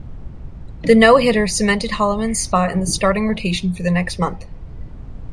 The no-hitter cemented Holloman's spot in the starting rotation for the next month.